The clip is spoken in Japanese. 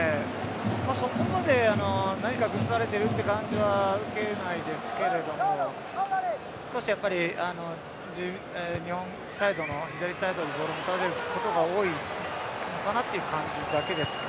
そこまで何か崩されているという感じは受けないですけれども少し、やっぱり日本サイドの、左サイドのボールを取られることが多いかなという感じだけですね。